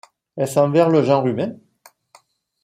Est-ce envers le genre humain ?